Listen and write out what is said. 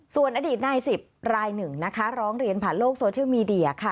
ส่วนอดีตนายสิบรายหนึ่งนะคะร้องเรียนผ่านโลกโซเชียลมีเดียค่ะ